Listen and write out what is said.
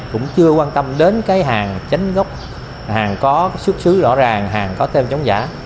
cũng chưa quan tâm đến cái hàng tránh gốc hàng có xuất xứ rõ ràng hàng có tem chống giả